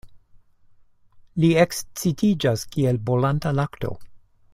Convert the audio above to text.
Li ekscitiĝas kiel bolanta lakto.